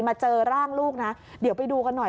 เจอร่างลูกนะเดี๋ยวไปดูกันหน่อย